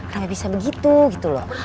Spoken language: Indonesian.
gak bisa begitu gitu loh